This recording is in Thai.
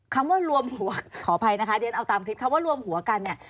คำว่ารวมหัวขออภัยนะคะเรียนเอาตามคลิปคำว่ารวมหัวกันเนี่ย